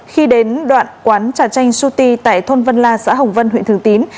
khi đến đoạn quán trà chanh suti tại thôn vân la xã hồng vân huyện thường tín